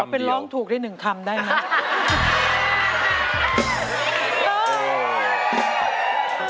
เป็นร้องถูกได้๑คำได้ไหม